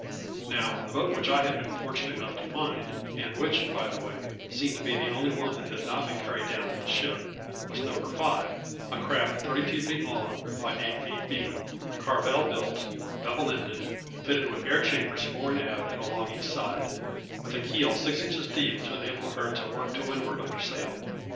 Now, the boat which I had been fortunate enough to find and which, by the way, seemed to be the only one that had not been carried down with the ship was Number 5, a craft thirty two feet long by eight feet beam, carvel built, double ended, fitted with air chambers fore and aft and along each side, with a keel six inches deep to enable her to work to windward under sail.